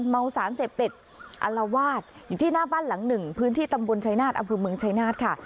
เอาเพราะเมืองชายนาฏค่ะ